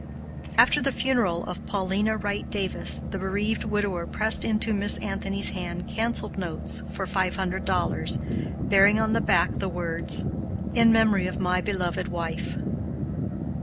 After the funeral of Paulina Wright Davis, the bereaved widower pressed into Miss Anthony's hand canceled notes for five hundred dollars, bearing on the back the words, "In memory of my beloved wife."